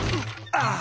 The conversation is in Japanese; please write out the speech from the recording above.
ああ。